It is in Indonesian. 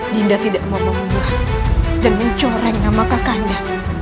dinda tidak mau membawa dan mencoreng nama kakanda